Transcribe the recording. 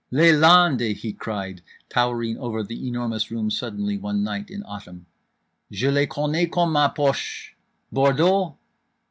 "Les landes" he cried, towering over The Enormous Room suddenly one night in Autumn, "je les connais commes ma poche—Bordeaux?